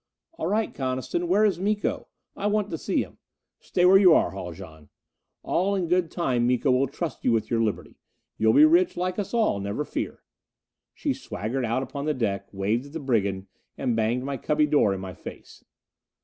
All right, Coniston. Where is Miko? I want to see him. Stay where you are, Haljan! All in good time Miko will trust you with your liberty. You'll be rich like us all, never fear." She swaggered out upon the deck, waved at the brigand, and banged my cubby door in my face.